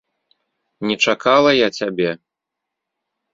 Не чакала я цябе?